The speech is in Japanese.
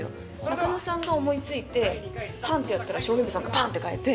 仲野さんが思いついて、ぱんってやったら、照明部さんがぱんって変えて。